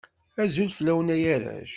Azul fellawen a arrac